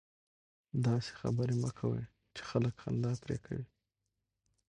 داسي خبري مه کوئ! چي خلک خندا پر کوي.